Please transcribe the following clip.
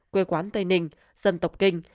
quê quán tây ninh dân tộc kinh